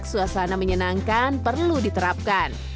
suasana menyenangkan perlu diterapkan